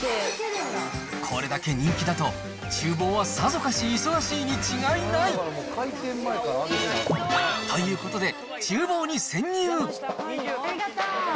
これだけ人気だと、ちゅう房はさぞかし忙しいに違いない。ということで、ちゅう房に潜入。